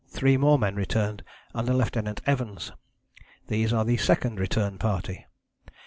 three more men returned under Lieutenant Evans: these are the Second Return Party.